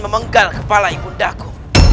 memenggal kepala ibu bundaku